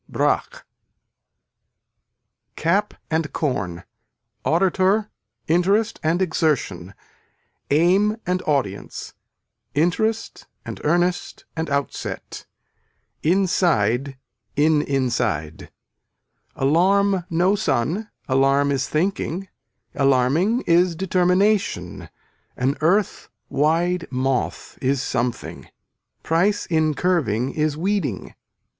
BRAQUE Cap and corn, auditor, interest and exertion, aim and audience, interest and earnest and outset, inside in inside. Alarm no sun, alarm is thinking, alarming is determination an earth wide moth is something. Price in curving is weeding.